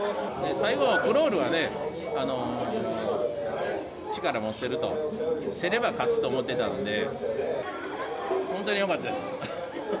最後、クロールはね、力持ってると、競れば勝つと思ってたので、本当によかったです。